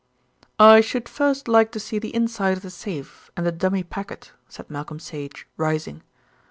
"I should first like to see the inside of the safe and the dummy packet," said Malcolm Sage, rising.